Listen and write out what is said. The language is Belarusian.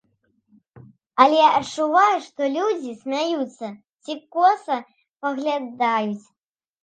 Але адчуваю, што людзі смяюцца ці коса паглядаюць.